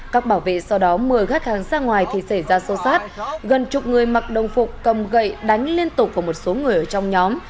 một mươi gác hàng sang ngoài thì xảy ra sâu sát gần chục người mặc đồng phục cầm gậy đánh liên tục của một số người ở trong nhóm